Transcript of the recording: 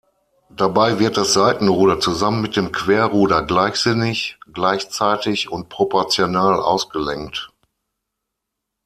Dabei wird das Seitenruder zusammen mit dem Querruder gleichsinnig, gleichzeitig und proportional ausgelenkt.